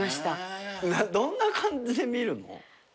どんな感じで見るの？